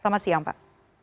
selamat siang pak